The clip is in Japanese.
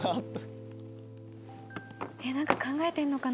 えっなんか考えてるのかな？